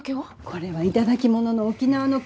これは頂き物の沖縄の古酒。